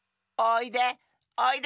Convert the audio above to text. おいで。